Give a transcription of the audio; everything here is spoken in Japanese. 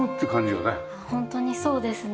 ホントにそうですね。